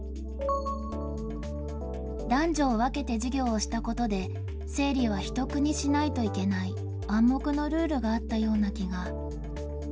男女を分けて授業をしたことで、生理は秘匿にしないといけない、暗黙のルールがあったような気が。